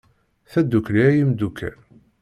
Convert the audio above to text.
Tadukli, ay imdukal!